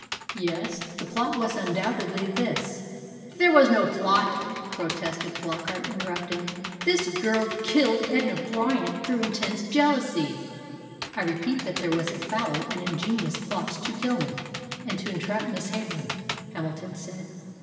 "Yes. The plot was undoubtedly this " "There was no plot," protested Flockart, interrupting. "This girl killed Edna Bryant through intense jealousy." "I repeat that there was a foul and ingenious plot to kill me, and to entrap Miss Heyburn," Hamilton said.